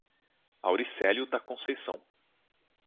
Auricelio da Conceicao